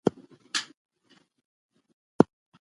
خیر محمد په خپل زړه کې د خدای د لوی فضل انتظار کاوه.